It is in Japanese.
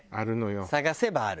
探せばある。